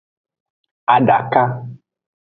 Adaka.